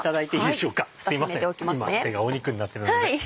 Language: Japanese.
今手が肉になっているのでね。